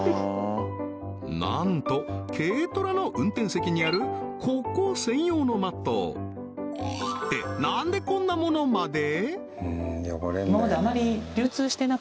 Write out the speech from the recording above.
なんと軽トラの運転席にあるここ専用のマットてなんでこんなものまで？